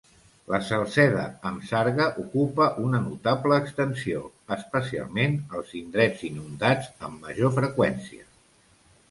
La salzeda amb sarga ocupa una notable extensió, especialment als indrets inundats amb major freqüència.